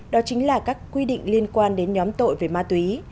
đó chính là các quy định liên quan đến nhóm tội về ma túy